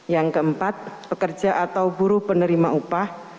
yang keempat pekerja atau buruh penerima upah